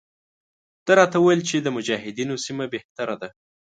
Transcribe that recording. ده راته وویل چې د مجاهدینو سیمه بهتره ده.